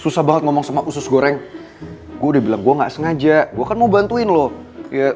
sampai jumpa di video selanjutnya